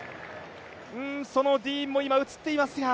そのディーンも映っていますが。